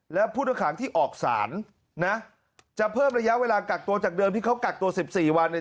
และผู้ต้องขังที่ออกสารนะจะเพิ่มระยะเวลากักตัวจากเดิมที่เขากักตัว๑๔วันเนี่ย